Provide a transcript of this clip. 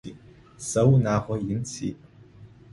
Сэ унагъо ин сиӏ.